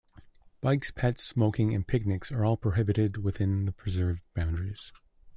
Bikes, pets, smoking and picnics are all prohibited within the preserve boundaries.